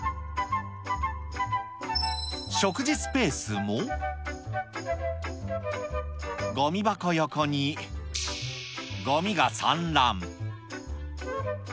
食事スペースも、ごみ箱横にごみが散乱。